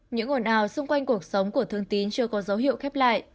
những ồn ào xung quanh cuộc sống của thương tín chưa có dấu hiệu khép lại